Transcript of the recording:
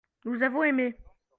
nous avons aimé.